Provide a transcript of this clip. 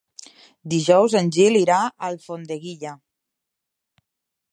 Dijous en Gil irà a Alfondeguilla.